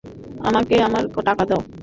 আমাকে আমার টাকা দাও।